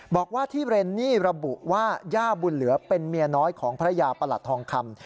บอกว่าที่เรนนี่ระบุว่าย่าบุญเหลือเป็นเมียน้อยของภรรยาประหลัดทองคำ